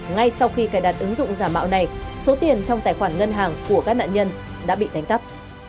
ngay sau khi cài đặt ứng dụng giả mạo này số tiền trong tài khoản ngân hàng của các nạn nhân đã bị đánh cắp